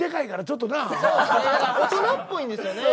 大人っぽいんですよね。